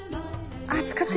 あっ